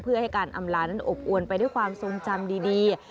เพื่อให้การอำลันอบอวนไปด้วยความทรงจำดี